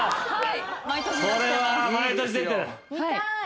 はい。